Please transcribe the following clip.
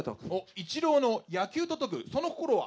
イチローの野球と解く、その心は？